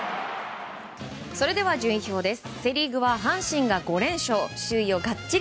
それでは順位表です。